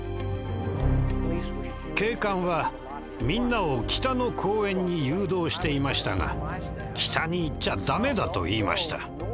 警官はみんなを北の公園に誘導していましたが「北に行っちゃダメだ」と言いました。